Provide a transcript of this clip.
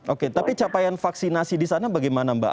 oke tapi capaian vaksinasi disana bagaimana mbak